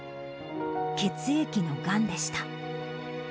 血液のがんでした。